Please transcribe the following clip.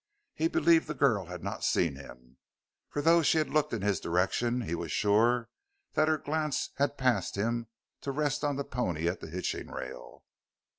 He believed the girl had not seen him, for though she had looked in his direction he was sure that her glance had passed him to rest on the pony at the hitching rail.